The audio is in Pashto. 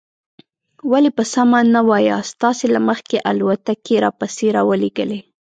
ولې په سمه نه وایاست؟ تاسې له مخکې الوتکې را پسې را ولېږلې.